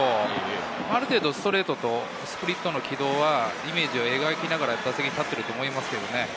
ある程度、ストレートとスプリットの軌道はイメージを描きながら打席に立っていると思います。